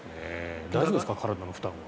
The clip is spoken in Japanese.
大丈夫ですか体の負担は。